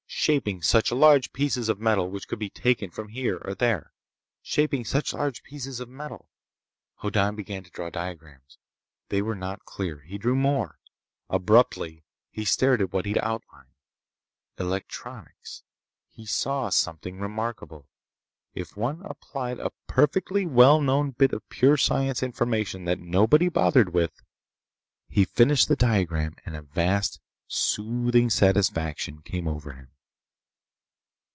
Shaping such large pieces of metal which could be taken from here or there—shaping such large pieces of metal.... Hoddan began to draw diagrams. They were not clear. He drew more. Abruptly, he stared at what he'd outlined. Electronics.... He saw something remarkable. If one applied a perfectly well known bit of pure science information that nobody bothered with— He finished the diagram and a vast, soothing satisfaction came over him.